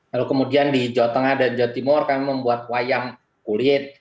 lalu kemudian di jawa tengah dan jawa timur kami membuat wayang kulit